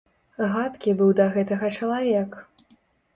Гадкі быў да гэтага чалавек!